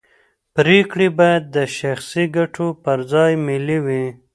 پرېکړې باید د شخصي ګټو پر ځای ملي وي